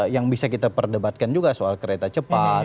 yang bisa kita perdebatkan juga soal kereta cepat